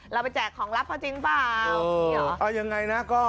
เราไปแจกของรับเขาจริงป่าว